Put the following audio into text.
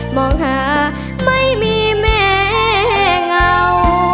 มองหาไม่มีแม่เงา